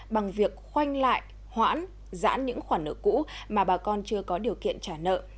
bằng việc khoanh lại hoãn giãn những khoản nợ cũ mà bà con chưa có điều kiện trả nợ